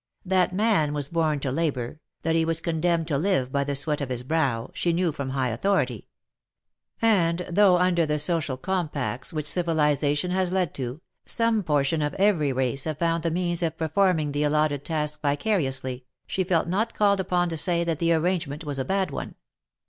That man was born to labour, that he was condemned to live by the sweat of his brow, she knew from high authority ; and though under the social compacts which civilization has led to, some portion of every race have found the means of performing the allotted task vicariously, she felt not called upon to say that the arrangement was a bad one.